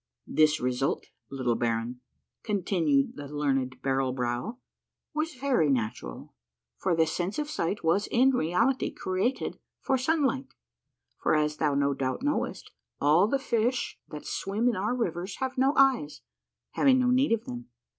" This result, little baron," continued the learned Barrel Brow, " was very natural, for the sense of sight was in reality created for sunlight; for as thou no doubt knowest, all the fish tliat swim in our rivers have no eyes, having no need of them.